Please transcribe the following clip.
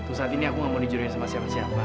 tuh saat ini aku gak mau dijualin sama siapa siapa